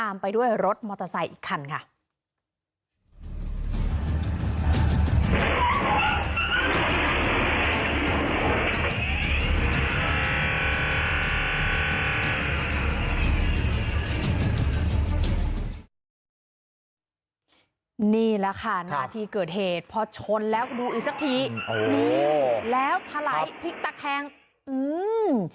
นี่แหละค่ะนาทีเกิดเหตุพอชนแล้วก็ดูอีกสักทีนี่แล้วทะไหลพลิกตะแคงอืม